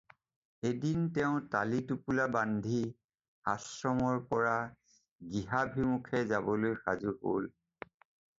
এদিন তেওঁ টালি টোপোলা বান্ধি আশ্ৰমৰ পৰা গৃহাভিমুখে যাবলৈ সাজু হ'ল।